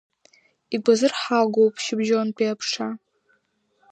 Игәазырҳагоуп шьыбжьонтәи аԥша.